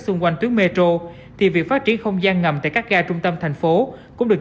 xung quanh tuyến metro thì việc phát triển không gian ngầm tại các ga trung tâm thành phố cũng được